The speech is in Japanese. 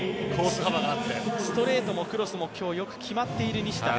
ストレートもクロスも今日よく決まっている西田。